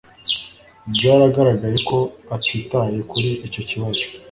Byaragaragaye ko atitaye kuri icyo kibazo